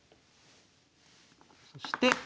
そして。